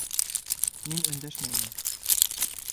Мин өндәшмәй инем.